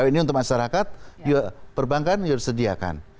ini untuk masyarakat perbankan juga disediakan